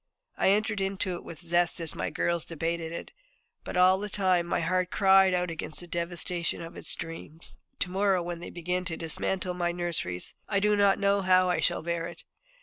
I entered into it with zest as my girls debated it. But all the time my heart cried out against the devastation of its dreams. To morrow, when they begin to dismantle my nurseries, I do not know how I shall bear it.